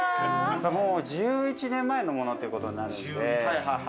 もう１１年前のものということになるので。